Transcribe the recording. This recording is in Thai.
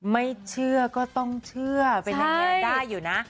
ไม่เชื่อก็ต้องเชื่อเป็นอย่างนั้นได้อยู่นะ